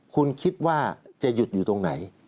คุณคิดว่าจะหยุดอยู่ตรงไหน